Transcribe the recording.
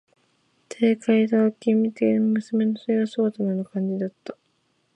てえがいた、稗史的な娘の絵姿のような感じだった。